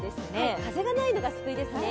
風がないのが救いですね。